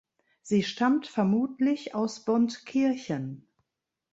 Sie stammt vermutlich aus Bontkirchen.